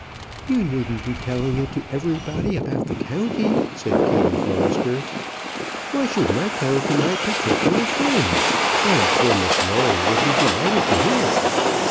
"You needn't be telling it to everybody about the county," said Kattie Forrester. "Why shouldn't I tell it to my particular friends? I am sure Miss Lawrie will be delighted to hear it."